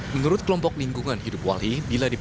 menurut kelompok lingkungan hidup wali